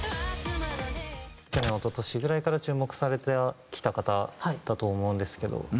去年一昨年ぐらいから注目されてきた方だと思うんですけど。